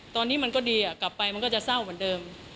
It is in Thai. ตอนนี้มันก็ดีกลับไปมันก็จะเศร้าเหมือนเดิม